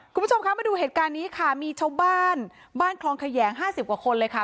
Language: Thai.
คุณผู้ชมคะมาดูเหตุการณ์นี้ค่ะมีชาวบ้านบ้านคลองแขยงห้าสิบกว่าคนเลยค่ะ